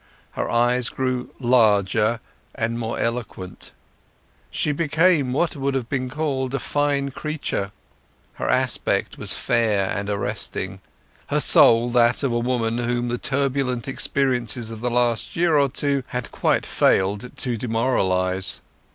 Her eyes grew larger and more eloquent. She became what would have been called a fine creature; her aspect was fair and arresting; her soul that of a woman whom the turbulent experiences of the last year or two had quite failed to demoralize.